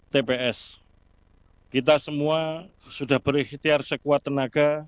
tps kita semua sudah berikhtiar sekuat tenaga